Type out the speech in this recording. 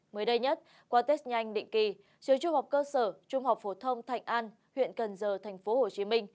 mới đây nhất qua test nhanh định kỳ trường trung học cơ sở trung học phổ thông thạnh an huyện cần giờ tp hcm